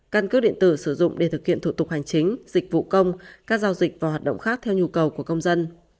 căn cứ điện tử sử dụng để thực hiện thủ tục hành chính dịch vụ công các giao dịch và hoạt động khác theo nhu cầu của công dân